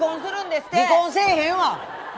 離婚せえへんわ！